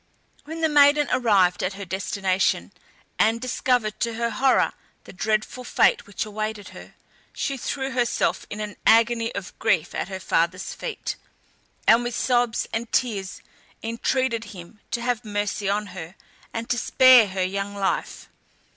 When the maiden arrived at her destination, and discovered, to her horror, the dreadful fate which awaited her, she threw herself in an agony of grief at her father's feet, and with sobs and tears entreated him to have mercy on her, and to spare her young life.